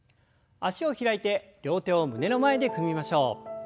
脚を開いて両手を胸の前で組みましょう。